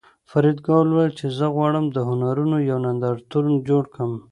فریدګل وویل چې زه غواړم د هنرونو یو نندارتون جوړ کړم